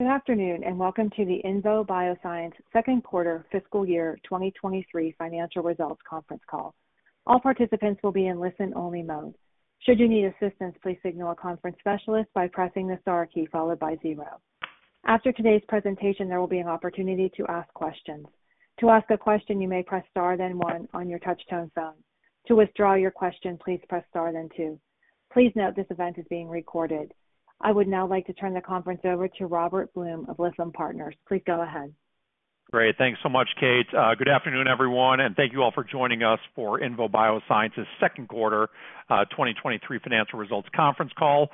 Good afternoon, and welcome to the INVO Bioscience second quarter fiscal year 2023 financial results conference call. All participants will be in listen-only mode. Should you need assistance, please signal a conference specialist by pressing the star key followed by zero. After today's presentation, there will be an opportunity to ask questions. To ask a question, you may press star, then one on your touchtone phone. To withdraw your question, please press star, then two. Please note, this event is being recorded. I would now like to turn the conference over to Robert Bloom of Lytham Partners. Please go ahead. Great. Thanks so much, Kate. good afternoon, everyone, and thank you all for joining us for INVO Bioscience's second quarter, 2023 financial results conference call.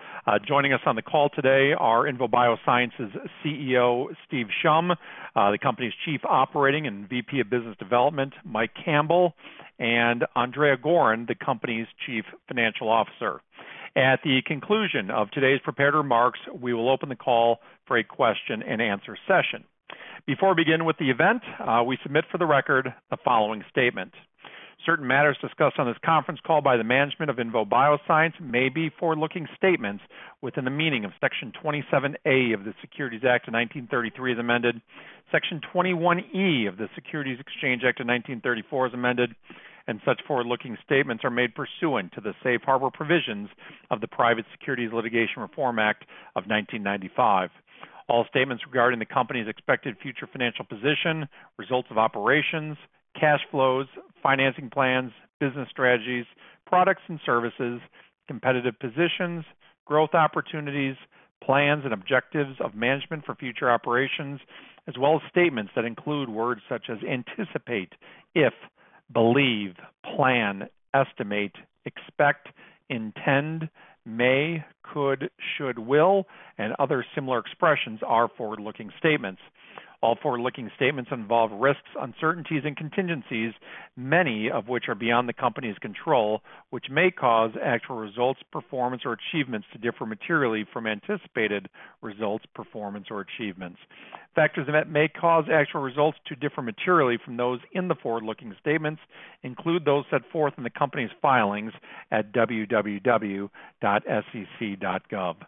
Joining us on the call today are INVO Bioscience's CEO, Steve Shum, the company's Chief Operating and VP of Business Development, Mike Campbell, and Andrea Goren, the company's Chief Financial Officer. At the conclusion of today's prepared remarks, we will open the call for a question-and-answer session. Before we begin with the event, we submit for the record the following statement. Certain matters discussed on this conference call by the management of INVO Bioscience may be forward-looking statements within the meaning of Section 27A of the Securities Act of 1933, as amended, Section 21E of the Securities Exchange Act of 1934, as amended, and such forward-looking statements are made pursuant to the Safe Harbor Provisions of the Private Securities Litigation Reform Act of 1995. All statements regarding the company's expected future financial position, results of operations, cash flows, financing plans, business strategies, products and services, competitive positions, growth opportunities, plans and objectives of management for future operations, as well as statements that include words such as: anticipate, if, believe, plan, estimate, expect, intend, may, could, should, will, and other similar expressions, are forward-looking statements. All forward-looking statements involve risks, uncertainties, and contingencies, many of which are beyond the company's control, which may cause actual results, performance, or achievements to differ materially from anticipated results, performance, or achievements. Factors that may cause actual results to differ materially from those in the forward-looking statements include those set forth in the company's filings at www.sec.gov. Company's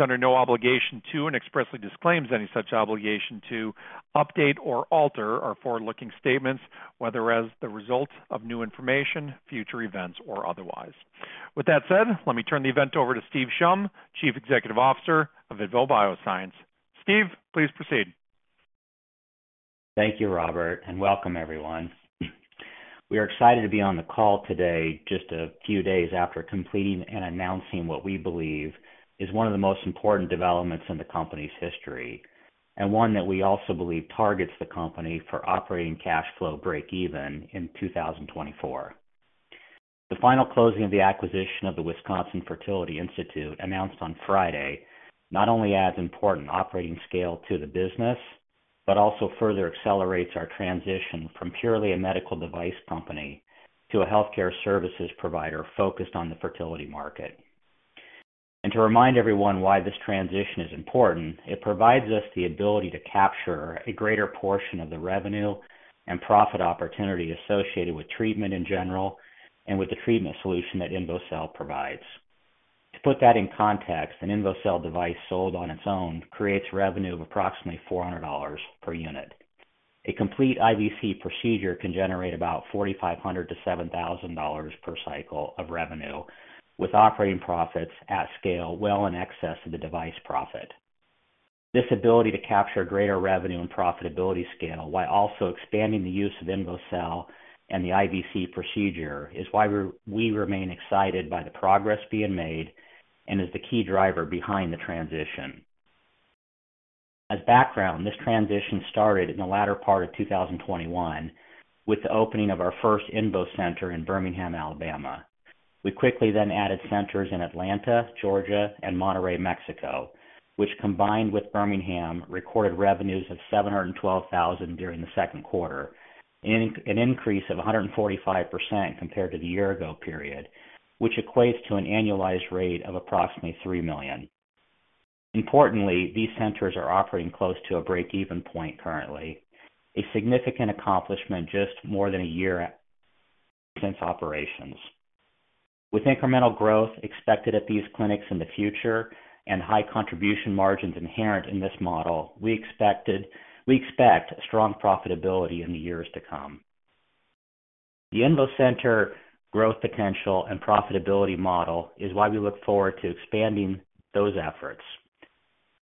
under no obligation to and expressly disclaims any such obligation to update or alter our forward-looking statements, whether as the result of new information, future events, or otherwise. With that said, let me turn the event over to Steve Shum, Chief Executive Officer of INVO Bioscience. Steve, please proceed. Thank you, Robert, and welcome everyone. We are excited to be on the call today, just a few days after completing and announcing what we believe is one of the most important developments in the company's history, and one that we also believe targets the company for operating cash flow break even in 2024. The final closing of the acquisition of the Wisconsin Fertility Institute, announced on Friday, not only adds important operating scale to the business, but also further accelerates our transition from purely a medical device company to a healthcare services provider focused on the fertility market. To remind everyone why this transition is important, it provides us the ability to capture a greater portion of the revenue and profit opportunity associated with treatment in general, and with the treatment solution that INVOcell provides. To put that in context, an INVOcell device sold on its own creates revenue of approximately $400 per unit. A complete IVC procedure can generate about $4,500-$7,000 per cycle of revenue, with operating profits at scale well in excess of the device profit. This ability to capture greater revenue and profitability scale, while also expanding the use of INVOcell and the IVC procedure, is why we remain excited by the progress being made and is the key driver behind the transition. As background, this transition started in the latter part of 2021 with the opening of our first INVO Center in Birmingham, Alabama. We quickly then added centers in Atlanta, Georgia, and Monterrey, Mexico, which, combined with Birmingham, recorded revenues of $712,000 during the second quarter, an increase of 145% compared to the year ago period, which equates to an annualized rate of approximately $3 million. Importantly, these centers are operating close to a break-even point currently, a significant accomplishment just more than a year since operations. With incremental growth expected at these clinics in the future and high contribution margins inherent in this model, we expect strong profitability in the years to come. The INVO Center growth potential and profitability model is why we look forward to expanding those efforts,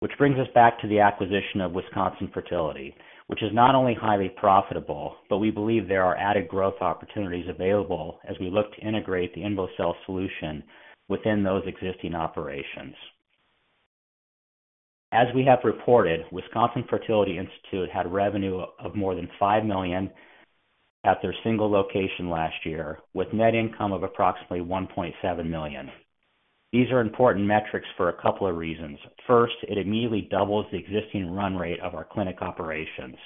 which brings us back to the acquisition of Wisconsin Fertility, which is not only highly profitable, but we believe there are added growth opportunities available as we look to integrate the INVOcell solution within those existing operations. As we have reported, Wisconsin Fertility Institute had revenue of more than $5 million at their single location last year, with net income of approximately $1.7 million. These are important metrics for a couple of reasons. First, it immediately doubles the existing run rate of our clinic operations.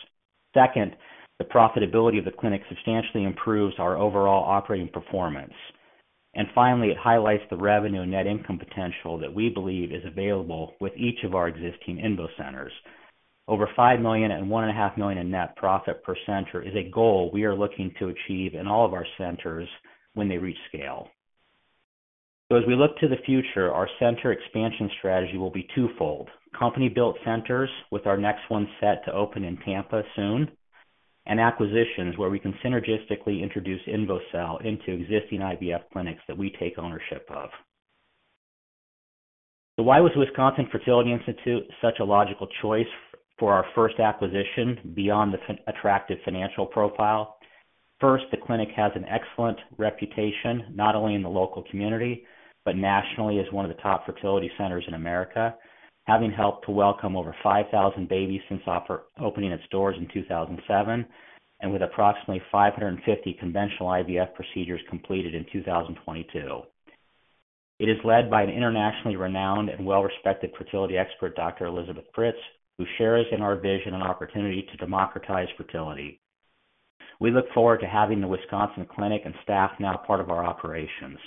Second, the profitability of the clinic substantially improves our overall operating performance. Finally, it highlights the revenue and net income potential that we believe is available with each of our existing INVO Centers. Over $5 million and $1.5 million in net profit per center is a goal we are looking to achieve in all of our centers when they reach scale. As we look to the future, our center expansion strategy will be twofold: company-built centers, with our next one set to open in Tampa soon, and acquisitions where we can synergistically introduce INVOcell into existing IVF clinics that we take ownership of. Why was Wisconsin Fertility Institute such a logical choice for our first acquisition beyond the attractive financial profile? First, the clinic has an excellent reputation, not only in the local community, but nationally, as one of the top fertility centers in America, having helped to welcome over 5,000 babies since opening its doors in 2007, and with approximately 550 conventional IVF procedures completed in 2022. It is led by an internationally renowned and well-respected fertility expert, Dr. Elizabeth Pritts, who shares in our vision and opportunity to democratize fertility. We look forward to having the Wisconsin clinic and staff now a part of our operations.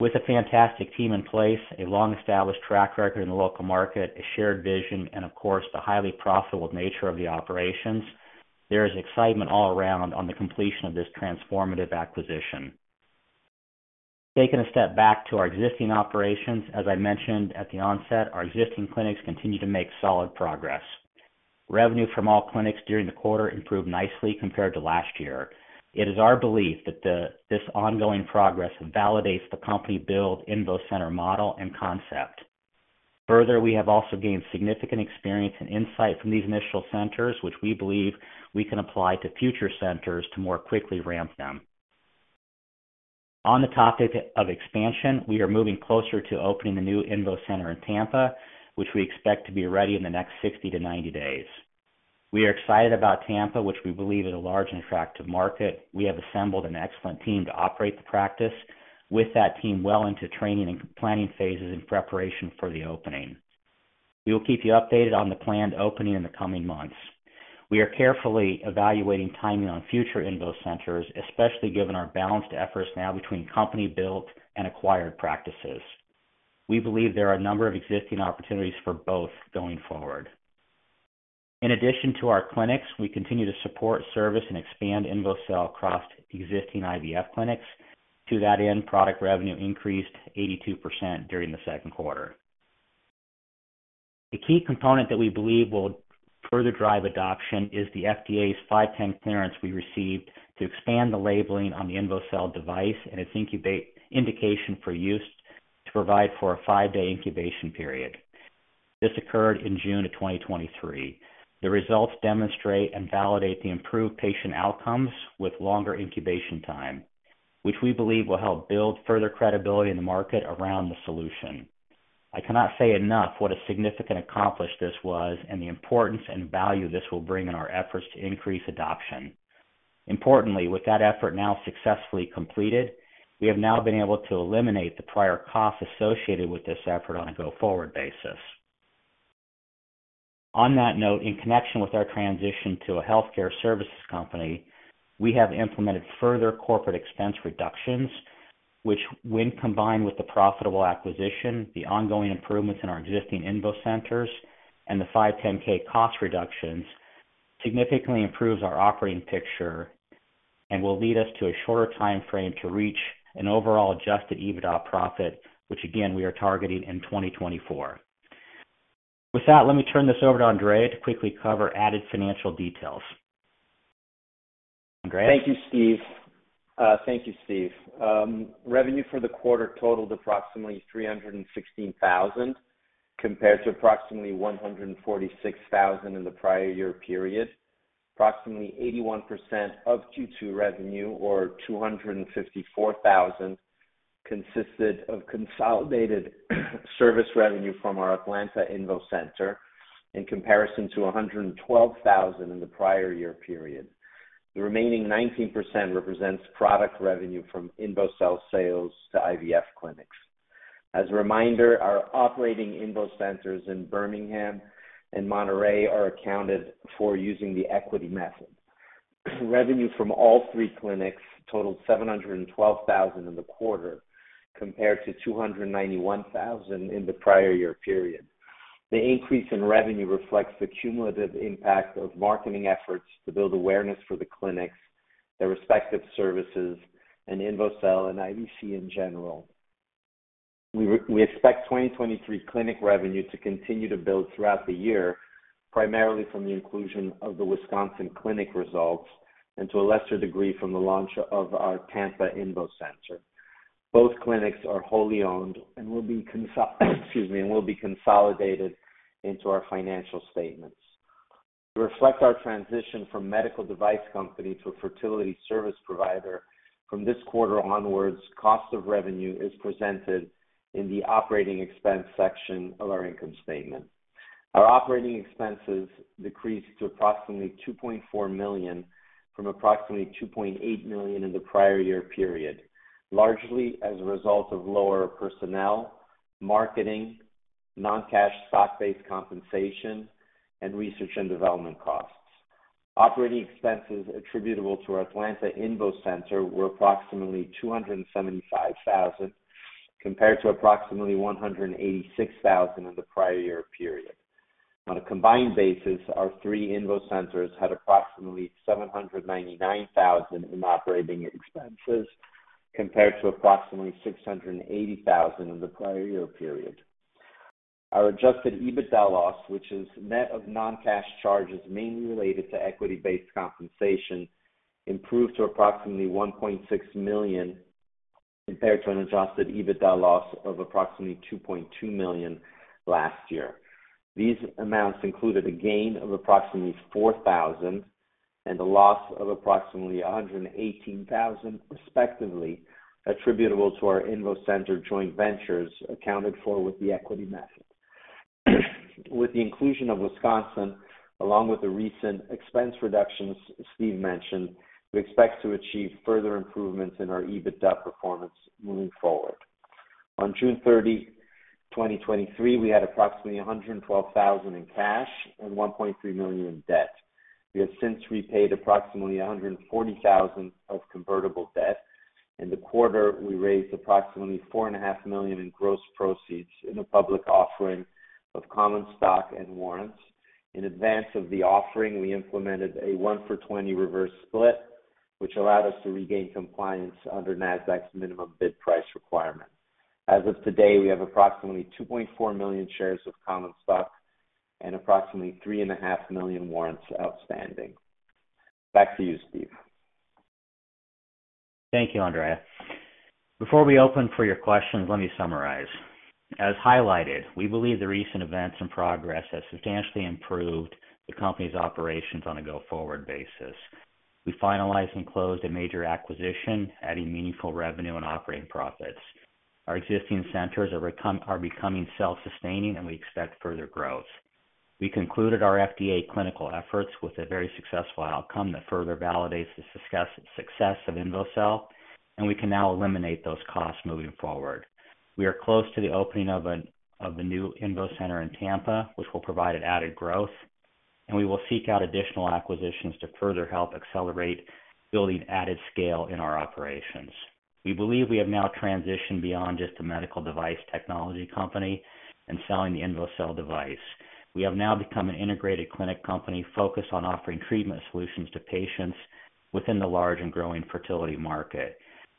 With a fantastic team in place, a long-established track record in the local market, a shared vision, and of course, the highly profitable nature of the operations, there is excitement all around on the completion of this transformative acquisition. Taking a step back to our existing operations, as I mentioned at the onset, our existing clinics continue to make solid progress. Revenue from all clinics during the quarter improved nicely compared to last year. It is our belief that this ongoing progress validates the company build INVO Center model and concept. Further, we have also gained significant experience and insight from these initial centers, which we believe we can apply to future centers to more quickly ramp them. On the topic of expansion, we are moving closer to opening the new INVO Center in Tampa, which we expect to be ready in the next 60-90 days. We are excited about Tampa, which we believe is a large and attractive market. We have assembled an excellent team to operate the practice, with that team well into training and planning phases in preparation for the opening. We will keep you updated on the planned opening in the coming months. We are carefully evaluating timing on future INVO Centers, especially given our balanced efforts now between company-built and acquired practices. We believe there are a number of existing opportunities for both going forward. In addition to our clinics, we continue to support, service, and expand INVOcell across existing IVF clinics. To that end, product revenue increased 82% during the second quarter. A key component that we believe will further drive adoption is the FDA's 510(k) clearance we received to expand the labeling on the INVOcell device and its indication for use to provide for a five-day incubation period. This occurred in June of 2023. The results demonstrate and validate the improved patient outcomes with longer incubation time, which we believe will help build further credibility in the market around the solution. I cannot say enough what a significant accomplish this was and the importance and value this will bring in our efforts to increase adoption. Importantly, with that effort now successfully completed, we have now been able to eliminate the prior costs associated with this effort on a go-forward basis. On that note, in connection with our transition to a healthcare services company, we have implemented further corporate expense reductions, which when combined with the profitable acquisition, the ongoing improvements in our existing INVO Centers and the 510(k) cost reductions, significantly improves our operating picture and will lead us to a shorter timeframe to reach an overall Adjusted EBITDA profit, which again, we are targeting in 2024. With that, let me turn this over to Andrea to quickly cover added financial details. Andrea? Thank you, Steve. Thank you, Steve. Revenue for the quarter totaled approximately $316,000, compared to approximately $146,000 in the prior year period. Approximately 81% of Q2 revenue, or $254,000, consisted of consolidated service revenue from our INVO Center Atlanta, in comparison to $112,000 in the prior year period. The remaining 19% represents product revenue from INVOcell sales to IVF clinics. As a reminder, our operating INVO Centers in Birmingham and Monterrey are accounted for using the equity method. Revenue from all three clinics totaled $712,000 in the quarter, compared to $291,000 in the prior year period. The increase in revenue reflects the cumulative impact of marketing efforts to build awareness for the clinics, their respective services, and INVOcell and IVC in general. We expect 2023 clinic revenue to continue to build throughout the year, primarily from the inclusion of the Wisconsin clinic results and to a lesser degree, from the launch of our Tampa INVO Center. Both clinics are wholly owned and will be consolidated into our financial statements. To reflect our transition from medical device company to a fertility service provider, from this quarter onwards, cost of revenue is presented in the operating expense section of our income statement. Our operating expenses decreased to approximately $2.4 million, from approximately $2.8 million in the prior year period, largely as a result of lower personnel, marketing, non-cash stock-based compensation, and research and development costs. Operating expenses attributable to our INVO Center Atlanta were approximately $275,000. compared to approximately $186,000 in the prior year period. On a combined basis, our three INVO Centers had approximately $799,000 in operating expenses, compared to approximately $680,000 in the prior year period. Our Adjusted EBITDA loss, which is net of non-cash charges mainly related to equity-based compensation, improved to approximately $1.6 million, compared to an Adjusted EBITDA loss of approximately $2.2 million last year. These amounts included a gain of approximately $4,000 and a loss of approximately $118,000, respectively, attributable to our INVO Center joint ventures accounted for with the equity method. With the inclusion of Wisconsin, along with the recent expense reductions Steve mentioned, we expect to achieve further improvements in our EBITDA performance moving forward. On June 30, 2023, we had approximately $112,000 in cash and $1.3 million in debt. We have since repaid approximately $140,000 of convertible debt. In the quarter, we raised approximately $4.5 million in gross proceeds in a public offering of common stock and warrants. In advance of the offering, we implemented a one-for-20 reverse split, which allowed us to regain compliance under NASDAQ's minimum bid price requirement. As of today, we have approximately 2.4 million shares of common stock and approximately 3.5 million warrants outstanding. Back to you, Steve. Thank you, Andrea. Before we open for your questions, let me summarize. As highlighted, we believe the recent events and progress has substantially improved the company's operations on a go-forward basis. We finalized and closed a major acquisition, adding meaningful revenue and operating profits. Our existing centers are becoming self-sustaining, and we expect further growth. We concluded our FDA clinical efforts with a very successful outcome that further validates the success of INVOcell, and we can now eliminate those costs moving forward. We are close to the opening of the new INVO Center in Tampa, which will provide an added growth, and we will seek out additional acquisitions to further help accelerate building added scale in our operations. We believe we have now transitioned beyond just a medical device technology company and selling the INVOcell device. We have now become an integrated clinic company focused on offering treatment solutions to patients within the large and growing fertility market.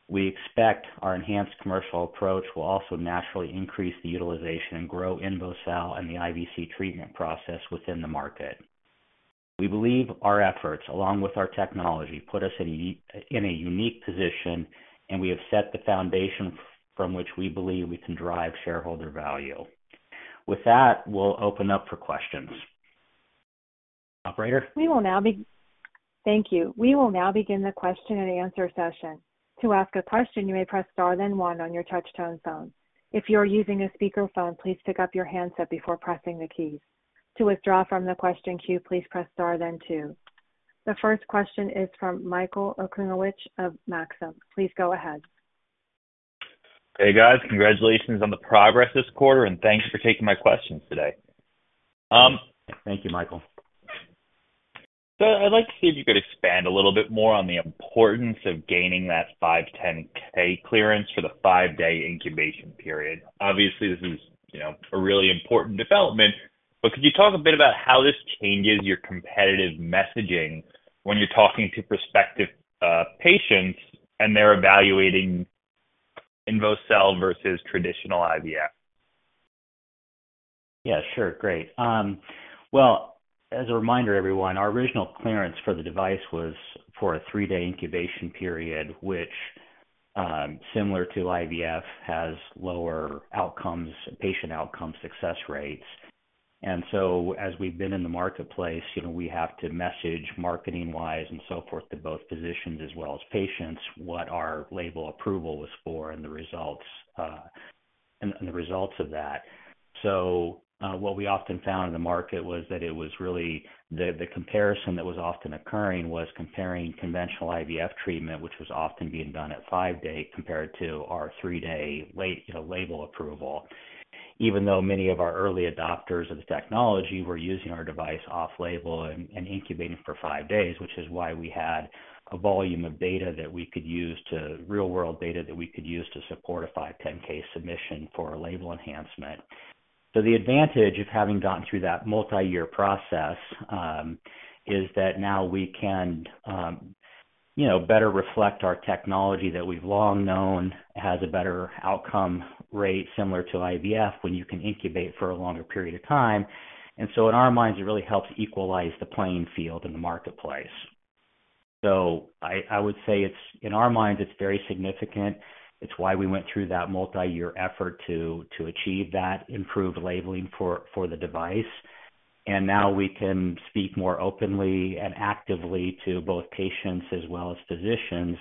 We expect our enhanced commercial approach will also naturally increase the utilization and grow INVOcell and the IVC treatment process within the market. We believe our efforts, along with our technology, put us in a unique position, and we have set the foundation from which we believe we can drive shareholder value. With that, we'll open up for questions. Operator? We will now be... Thank you. We will now begin the question-and-answer session. To ask a question, you may press Star one on your touch-tone phone. If you are using a speakerphone, please pick up your handset before pressing the keys. To withdraw from the question queue, please press Star two. The first question is from Michael Ochulnitch of Maxim. Please go ahead. Hey, guys. Congratulations on the progress this quarter, and thanks for taking my questions today. Thank you, Michael. I'd like to see if you could expand a little bit more on the importance of gaining that 510(k) clearance for the five-day incubation period. Obviously, this is, you know, a really important development, but could you talk a bit about how this changes your competitive messaging when you're talking to prospective patients and they're evaluating INVOcell versus traditional IVF? Yeah, sure. Great. Well, as a reminder, everyone, our original clearance for the device was for a three-day incubation period, which, similar to IVF, has lower outcomes, patient outcome success rates. As we've been in the marketplace, you know, we have to message marketing-wise and so forth, to both physicians as well as patients, what our label approval was for and the results, and the, the results of that. What we often found in the market was that it was really the, the comparison that was often occurring was comparing conventional IVF treatment, which was often being done at 5-day, compared to our 3-day you know, label approval. Even though many of our early adopters of the technology were using our device off-label and incubating for five days, which is why we had a volume of data that we could use to real-world data that we could use to support a 510(k) submission for a label enhancement. The advantage of having gotten through that multi-year process is that now we can, you know, better reflect our technology that we've long known has a better outcome rate, similar to IVF, when you can incubate for a longer period of time. In our minds, it really helps equalize the playing field in the marketplace. I, I would say it's, in our minds, it's very significant. It's why we went through that multi-year effort to achieve that improved labeling for the device. Now we can speak more openly and actively to both patients as well as physicians,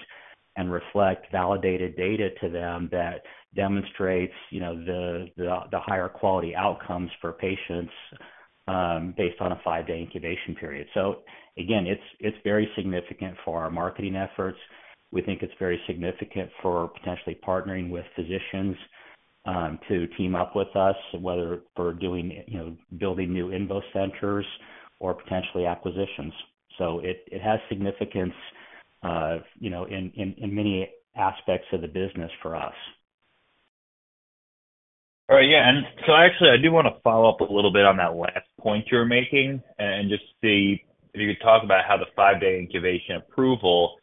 and reflect validated data to them that demonstrates, you know, the higher quality outcomes for patients, based on a five-day incubation period. Again, it's very significant for our marketing efforts. We think it's very significant for potentially partnering with physicians, to team up with us, whether we're doing, you know, building new INVO Centers or potentially acquisitions. It has significance- you know, in many aspects of the business for us. All right. Yeah. Actually, I do want to follow up a little bit on that last point you were making and just see if you could talk about how the five-day incubation approval,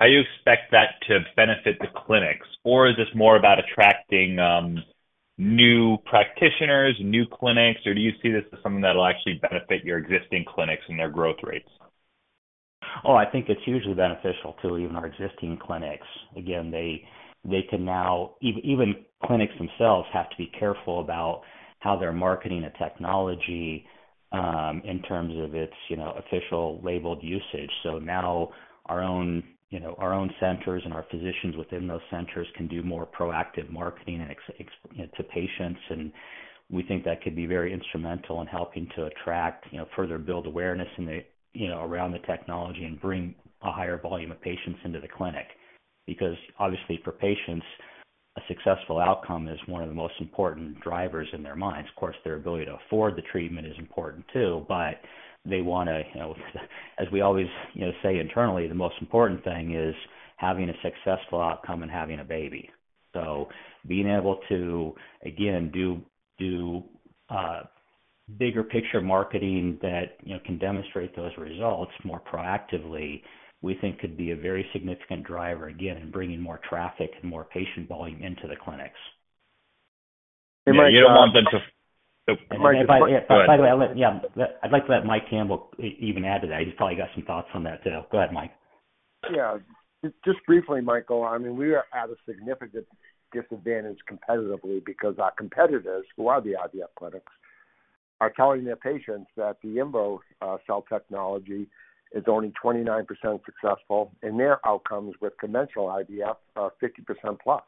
how you expect that to benefit the clinics, or is this more about attracting new practitioners, new clinics, or do you see this as something that'll actually benefit your existing clinics and their growth rates? Oh, I think it's hugely beneficial to even our existing clinics. Again, they, they can now. Even, even clinics themselves have to be careful about how they're marketing a technology in terms of its, you know, official labeled usage. So now our own, you know, our own centers and our physicians within those centers can do more proactive marketing to patients, and we think that could be very instrumental in helping to attract, you know, further build awareness in the, you know, around the technology and bring a higher volume of patients into the clinic. Because obviously, for patients, a successful outcome is one of the most important drivers in their minds. Of course, their ability to afford the treatment is important too, but they want to, you know, as we always, you know, say internally, the most important thing is having a successful outcome and having a baby. Being able to, again, do, do bigger picture marketing that, you know, can demonstrate those results more proactively, we think could be a very significant driver, again, in bringing more traffic and more patient volume into the clinics. You don't want them to- By the way, yeah, I'd like to let Mike Campbell even add to that. He's probably got some thoughts on that too. Go ahead, Mike. Yeah. Just, just briefly, Michael, I mean, we are at a significant disadvantage competitively because our competitors, who are the IVF clinics, are telling their patients that the INVOcell technology is only 29% successful, and their outcomes with conventional IVF are 50% plus.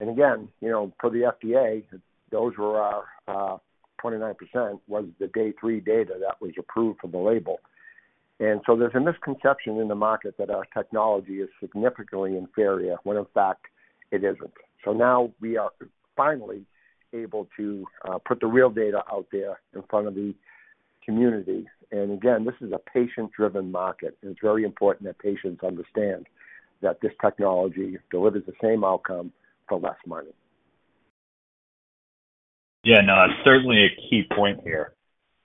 Again, you know, per the FDA, those were our, 29% was the day three data that was approved for the label. There's a misconception in the market that our technology is significantly inferior, when in fact, it isn't. Now we are finally able to put the real data out there in front of the community. Again, this is a patient-driven market, and it's very important that patients understand that this technology delivers the same outcome for less money. Yeah, no, certainly a key point here.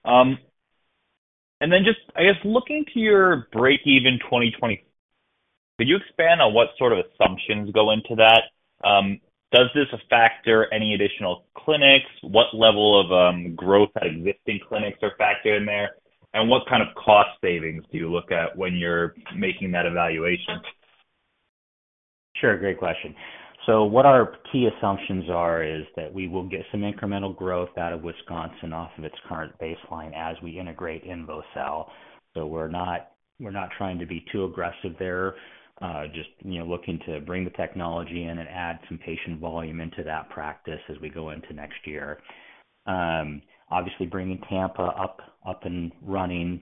And then just, I guess, looking to your break-even 2020, could you expand on what sort of assumptions go into that? Does this factor any additional clinics? What level of growth at existing clinics are factored in there? And what kind of cost savings do you look at when you're making that evaluation? Sure. Great question. What our key assumptions are is that we will get some incremental growth out of Wisconsin off of its current baseline as we integrate INVOcell. We're not, we're not trying to be too aggressive there, just, you know, looking to bring the technology in and add some patient volume into that practice as we go into next year. Obviously, bringing Tampa up, up, and running,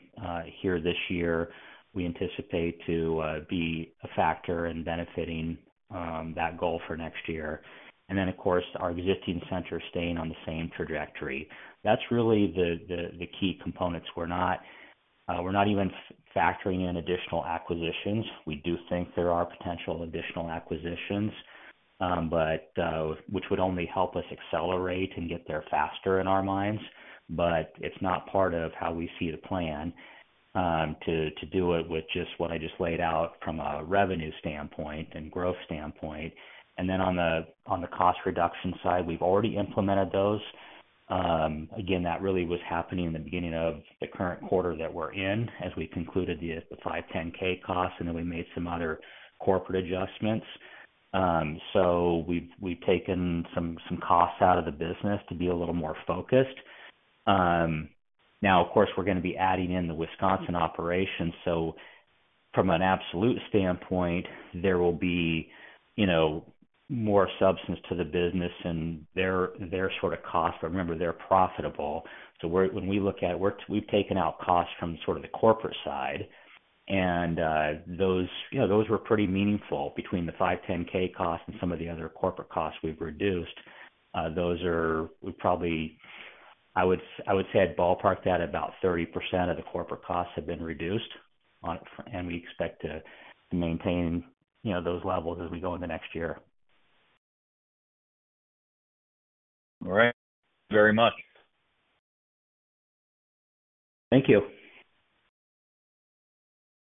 here this year, we anticipate to be a factor in benefiting that goal for next year. Of course, our existing centers staying on the same trajectory. That's really the, the, the key components. We're not, we're not even factoring in additional acquisitions. We do think there are potential additional acquisitions, which would only help us accelerate and get there faster in our minds, but it's not part of how we see the plan to do it with just what I just laid out from a revenue standpoint and growth standpoint. On the cost reduction side, we've already implemented those. Again, that really was happening in the beginning of the current quarter that we're in, as we concluded the 510(k) costs, and then we made some other corporate adjustments. We've taken some costs out of the business to be a little more focused. Now, of course, we're going to be adding in the Wisconsin operation, so from an absolute standpoint, there will be, you know, more substance to the business and their, their sort of costs, but remember, they're profitable. We're, when we look at it, we're, we've taken out costs from sort of the corporate side, and those, you know, those were pretty meaningful between the 510(k) costs and some of the other corporate costs we've reduced. Those are. We probably, I would, I would say I'd ballpark that about 30% of the corporate costs have been reduced on, and we expect to maintain, you know, those levels as we go into next year. All right. Very much. Thank you.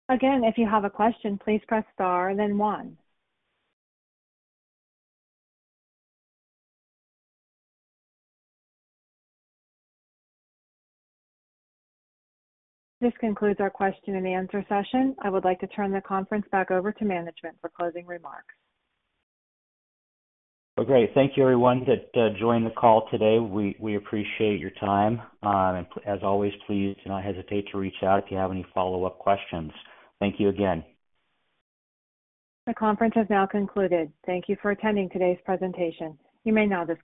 Again, if you have a question, please press Star, then One. This concludes our question and answer session. I would like to turn the conference back over to management for closing remarks. Well, great. Thank you, everyone, that, joined the call today. We, we appreciate your time. As always, please do not hesitate to reach out if you have any follow-up questions. Thank you again. The conference has now concluded. Thank you for attending today's presentation. You may now disconnect.